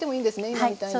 今みたいに。